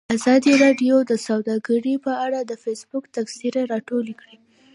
ازادي راډیو د سوداګري په اړه د فیسبوک تبصرې راټولې کړي.